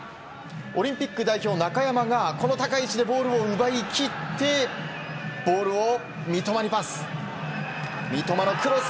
オリンピック代表、なかやまが、この高い位置でボールを奪いきって、ボールを三笘にパス。